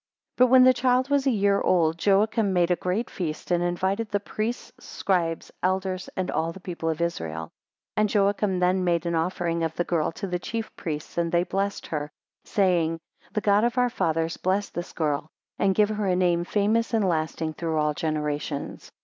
4 But when the child was a year old, Joachim made a great feast, and invited the priests, scribes, elders, and all the people of Israel; 5 And Joachim then made an offering of the girl to the chief priests, and they blessed her, saying, The God of our fathers bless this girl, and give her a name famous and lasting through all generations.